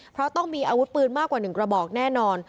เพราะต้องมีอาวุธปืนมากกว่า๑กระบอกแน่นอน